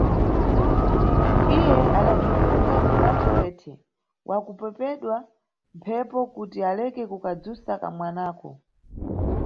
Iye adabzifunya ningati mʼbhedhe wakupopedwa mphepo kuti aleke kukadzusa kamwanako.